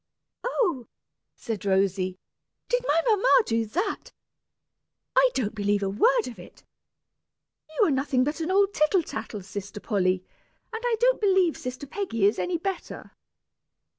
"Oh!" said Rosy, "did my mamma do that? I don't believe a word of it! You are nothing but an old tattle tale, sister Polly, and I don't believe sister Peggy is any better!"